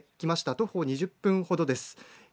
徒歩２０分ほどです。